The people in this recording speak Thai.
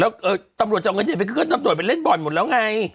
แล้วตำรวจจะเอาเงินตำรวจไปเล่นบอล่ะไง